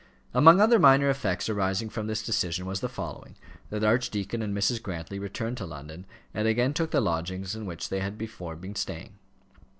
Among other minor effects arising from this decision was the following, that Archdeacon and Mrs. Grantly returned to London, and again took the lodgings in which they had before been staying.